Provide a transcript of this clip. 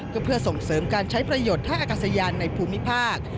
ก็เพื่อส่งเสริมการใช้ประโยชน์ท่าอากาศยานในภูมิภาค